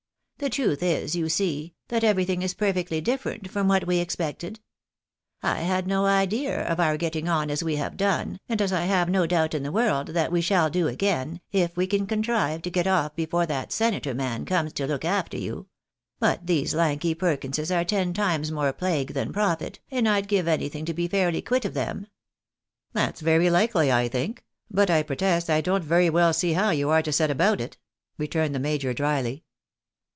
The truth is, you see, that everything is perfectly different from what we expected. 208 THE BARJTAJBYS IJN amkkhja. I had no idea of our getting on as we liave done, and as I have no doubt in the world that we shall do again, if we can contrive to get off before that senator man comes to look after you. But these lanky Perkinses are ten times more plague than profit, and I'd give anything to be fairly quit of them." " That's very likely, I think ; but I protest I don't very well see how you are to set about it," returned the major, drily.